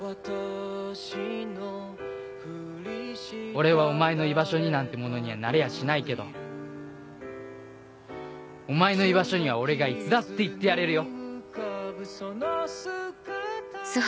俺はお前の居場所になんてものにはなれやしないけどお前の居場所には俺がいつだって行ってやれるよ。